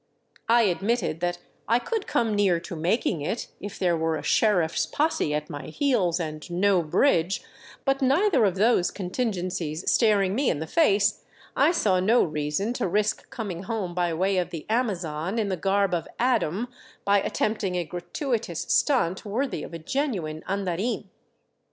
I admitted that I could come near to making it, if 413 VAGABONDING DOWN THE ANDES there were a sheriff's posse at my heels and no bridge ; but neither of those contingencies staring me in the face, I saw no reason to risk coming home by way of the Amazon in the garb of Adam by attempt ing a gratuitous " stunt " worthy of a genuine andarin.